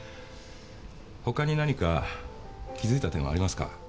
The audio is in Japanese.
他に何か気づいた点はありますか？